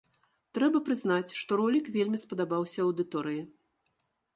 Трэба прызнаць, што ролік вельмі спадабаўся аўдыторыі.